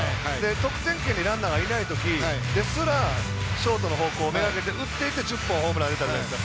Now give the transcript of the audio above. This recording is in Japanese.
得点圏にランナーがいないときですらショートの方向をめがけて打っていって１０本ホームラン打ってるじゃないですか。